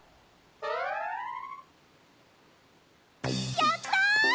やった！